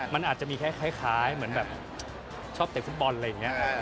มันอาจจะมีคล้ายเหมือนแบบชอบเตะฟุตบอลอะไรอย่างนี้